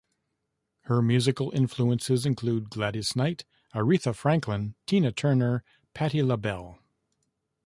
Her musical influences include Gladys Knight, Aretha Franklin, Tina Turner, Pattie LaBelle.